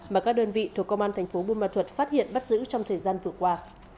mà các đơn vị thuộc công an thành phố buôn ma thuật phát hiện bắt giữ trong thời gian vừa qua